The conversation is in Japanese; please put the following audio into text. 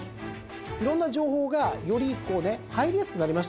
いろんな情報がより入りやすくなりましたよね。